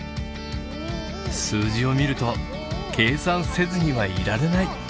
数字を見ると計算せずにはいられない！